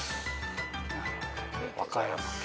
和歌山県。